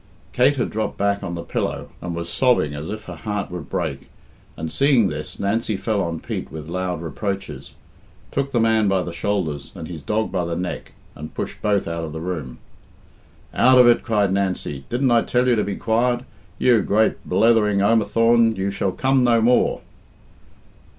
Kate had dropped back on the pillow, and was sobbing as if her heart would break, and seeing this, Nancy fell on Pete with loud reproaches, took the man by the shoulders and his dog by the neck, and pushed both out of the room. "Out of it," cried Nancy. "Didn't I tell you to be quiet? You great blethering omathaun, you shall come no more."